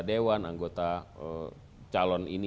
sewa anggota calon ini